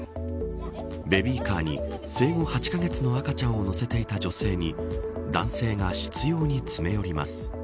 ベビーカーに生後８カ月の赤ちゃんを乗せていた女性に男性が執拗に詰め寄ります。